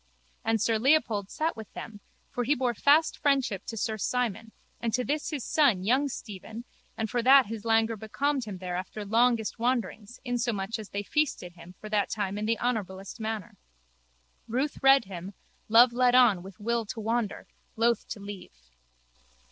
And sir Leopold sat with them for he bore fast friendship to sir Simon and to this his son young Stephen and for that his languor becalmed him there after longest wanderings insomuch as they feasted him for that time in the honourablest manner. Ruth red him, love led on with will to wander, loth to leave.